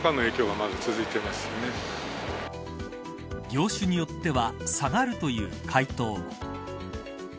業種によっては下がるという回答も。